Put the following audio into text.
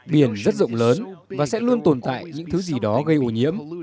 biển rất rộng lớn và sẽ luôn tồn tại những thứ gì đó gây ô nhiễm